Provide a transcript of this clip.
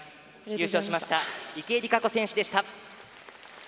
優勝しました池江璃花子選手でした。